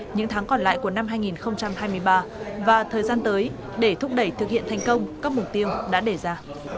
những tháng còn lại của năm hai nghìn hai mươi ba và thời gian tới để thúc đẩy thực hiện thành công các mục tiêu đã đề ra